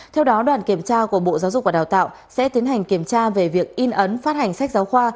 theo đó đoàn kiểm tra của bộ giáo dục và đào tạo sẽ tiến hành kiểm tra về việc in ấn phát hành sách giáo khoa